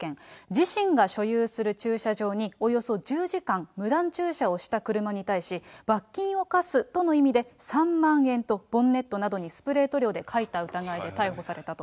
自身が所有する駐車場に、およそ１０時間、無断駐車をした車に対し、罰金を科すとの意味で３万円などとボンネットなどにスプレー塗料で書いた疑いで逮捕されたと。